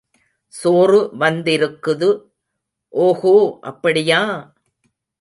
சோறு வந்திருக்குது. ஓகோ, அப்படியா!